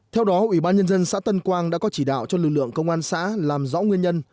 theo đó ủy ban nhân dân xã tân quang đã có chỉ đạo cho lực lượng công an xã làm rõ nguyên nhân